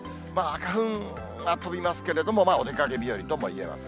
花粉は飛びますけれども、お出かけ日和ともいえます。